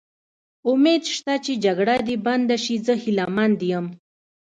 امید شته چې جګړه دې بنده شي، زه هیله من یم.